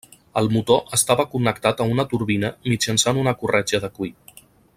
El motor estava connectat a una turbina mitjançant una corretja de cuir.